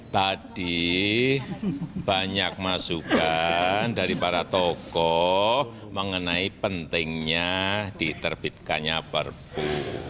tadi banyak masukan dari para tokoh mengenai pentingnya diterbitkannya perpu